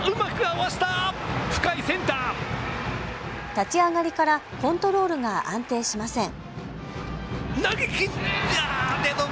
立ち上がりからコントロールが安定しません。